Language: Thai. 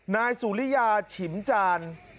นายสุรญญาขิงจาน